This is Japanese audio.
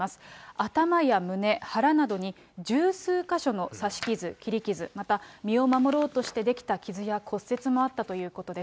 頭や胸、腹などに、十数か所の刺し傷、切り傷、また身を守ろうとして出来た傷や骨折もあったということです。